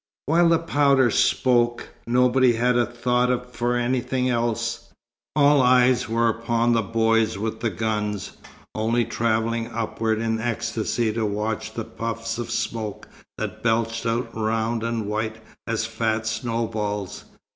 While the powder spoke, nobody had a thought for anything else. All eyes were upon the boys with the guns, only travelling upward in ecstasy to watch the puffs of smoke that belched out round and white as fat snowballs.